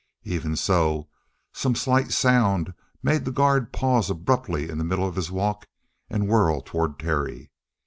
Even so, some slight sound made the guard pause abruptly in the middle of his walk and whirl toward Terry.